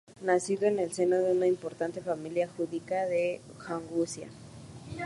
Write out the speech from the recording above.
Nacido en el seno de una importante familia judía de Maguncia.